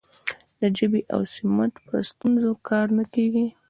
د ژبې او سمت پر ستونزو کار نه کیږي.